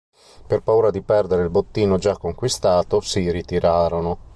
Per paura di perdere il bottino già conquistato, si ritirarono.